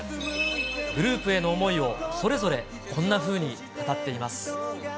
グループへの思いをそれぞれこんなふうに語っています。